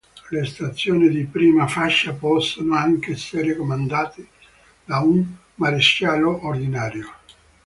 Le stazioni di prima fascia possono anche essere comandate da un maresciallo ordinario.